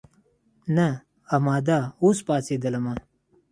نه امدا اوس پاڅېدلمه.